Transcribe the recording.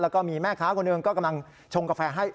แล้วก็มีแม่ค้าคนหนึ่งก็กำลังชงกาแฟให้